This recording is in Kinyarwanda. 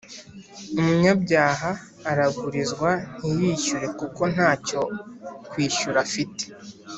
Umunyabyaha aragurizwa ntiyishyure kuko ntacyo kwishyura afite